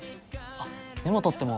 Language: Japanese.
あっメモとっても？